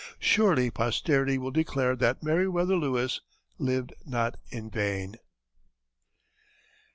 Surely posterity will declare that Meriwether Lewis lived not in vain.